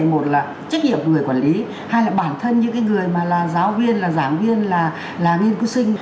một là trách nhiệm của người quản lý hai là bản thân như cái người mà là giáo viên là giảng viên là nghiên cứu sinh